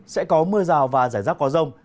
sẽ có mưa rào và giải rác có rông